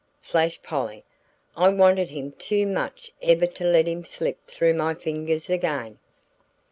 flashed Polly. "I wanted him too much ever to let him slip through my fingers again."